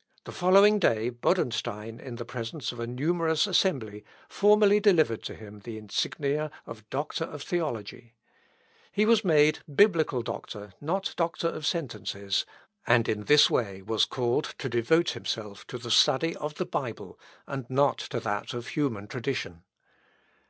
" The following day, Bodenstein, in presence of a numerous assembly, formally delivered to him the insignia of doctor of theology. He was made Biblical doctor, not doctor of sentences, and in this way was called to devote himself to the study of the Bible, and not to that of human tradition.